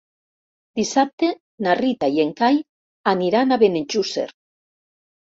Dissabte na Rita i en Cai aniran a Benejússer.